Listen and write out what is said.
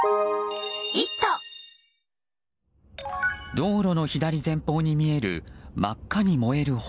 道路の左前方に見える真っ赤に見える炎。